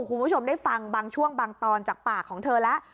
คุณผู้ชมได้ฟังบางช่วงบางตอนจากปากของเธอแล้ว